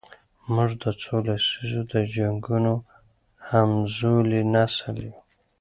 موږ د څو لسیزو د جنګونو همزولی نسل یو.